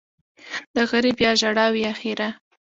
ـ د غريب يا ژړا وي يا ښېرا.